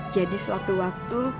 jadi suatu waktu